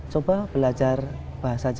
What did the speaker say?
coba belajar bahasa inggris